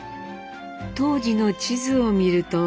当時の地図を見ると。